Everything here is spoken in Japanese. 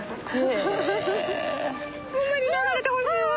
ほんまに流れてほしいわ。